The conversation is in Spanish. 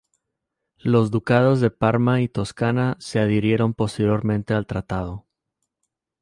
Los ducados de Parma y Toscana se adhirieron posteriormente al tratado.